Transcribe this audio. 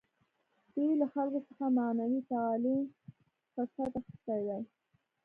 دوی له خلکو څخه معنوي تعالي فرصت اخیستی دی.